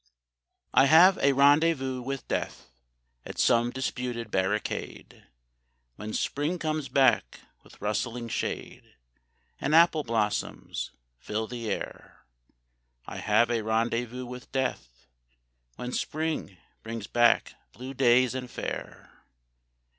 . I have a rendezvous with Death At some disputed barricade, When Spring comes back with rustling shade And apple blossoms fill the air I have a rendezvous with Death When Spring brings back blue days and fair.